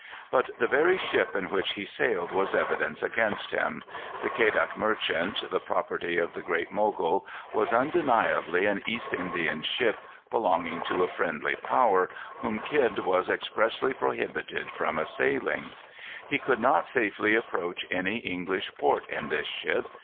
But the very ship in which he sailed was evidence against him. The Quedagh Merchant, the property of the Great Mogul, was undeniably an East Indian ship belonging to a friendly power, whom Kidd was expressly prohibited from assailing. He could not safely approach any English port in this ship.